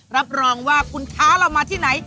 รับรองว่าคุณค้าเรามาที่ไหน